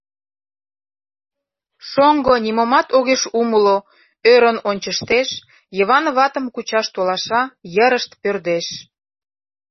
Шоҥго нимомат огеш умыло, ӧрын ончыштеш, Йыван ватым кучаш толаша, йырышт пӧрдеш.